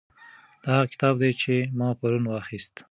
دا هغه کتاب دی چې ما پرون واخیست.